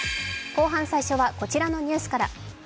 後半最初はこちらのニュースから。